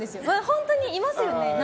本当に、いますよね。